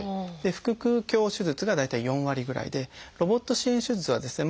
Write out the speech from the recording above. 腹腔鏡手術が大体４割ぐらいでロボット支援手術はですね